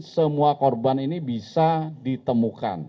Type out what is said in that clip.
semua korban ini bisa ditemukan